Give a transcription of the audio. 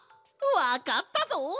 わかったぞ！